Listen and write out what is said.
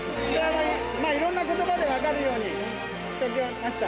いろんな言葉で分かるようにしときました。